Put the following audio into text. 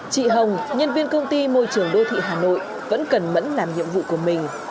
chị hồng nhân viên công ty môi trường đô thị hà nội vẫn cần mẫn làm nhiệm vụ của mình